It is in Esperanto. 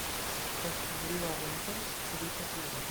Post brua vento subita silento.